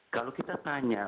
kalau kita tanya